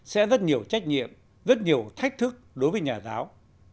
sẽ rất nhiều trách nhiệm rất nhiều thách thức đối với nhà giáo